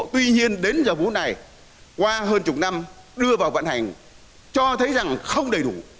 tuy nhiên đến giờ vũ này qua hơn chục năm đưa vào vận hành cho thấy rằng không đầy đủ